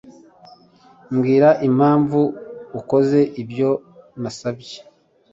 Mbwira impamvu utakoze ibyo nasabye.